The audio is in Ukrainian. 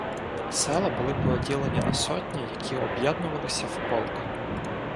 Села були поділені на сотні, які об'єднувалися в полк.